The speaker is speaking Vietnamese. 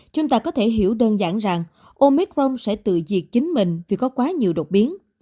chúng ta có thể hiểu đơn giản rằng omicron sẽ tự diệt chính mình vì có quá nhiều đột biến